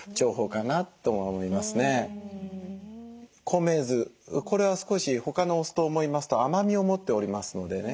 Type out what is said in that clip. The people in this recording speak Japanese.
米酢これは少し他のお酢と思いますと甘みを持っておりますのでね